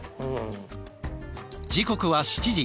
時刻は７時。